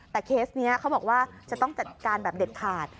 แต่เคสนี้เขาบอกว่าจะต้องจัดการแบบเด็ดขาด